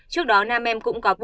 trước đó nam em cũng có vụ